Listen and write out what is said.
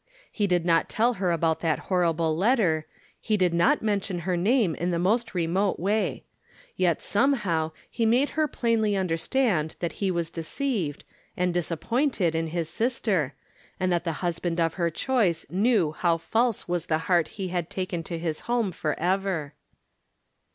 He did not teU her about that horrible letter, he did not mention her name in the most remote way ; yet, somehow, he made her plainly understand that he was deceived — and disappointed in his sister, and that the husband of her choice knew how false was the heart he had taken to liis home forever.